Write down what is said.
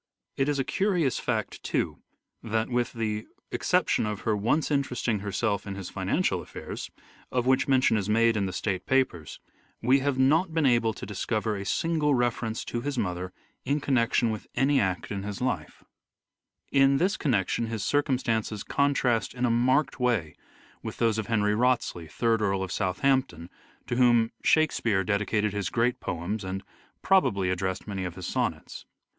It is a curious fact, too, that with the exception of her once interesting herself in his financial affairs, of which mention is made in the State Papers, we have not been able to discover a single reference to his mother in connection with any act in his life. EARLY LIFE OF EDWARD DE VERE 235 In this connection his circumstances contrast in a countess of marked way with those of Henry Wriothesley, Third Southamp Earl of Southampton, to whom " Shakespeare " dedicated his great poems and probably addressed many of his sonnets.